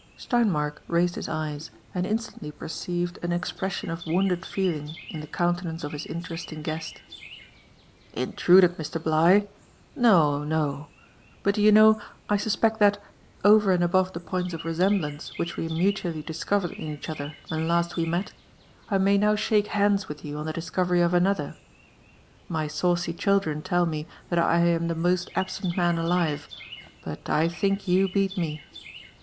Steinmark raised his eyes, and instantly perceived an expression of wounded feeling in the countenance of his interesting guest. "Intruded, Mr. filigh? No, not But, do you know, I suspect that, over and above the points of resemblance which we mutually discovered in each other when last we met, I may now shake hands with you on the discovery of another; My saucy children tell me thai I am the most absent man alive, but I think you beat me.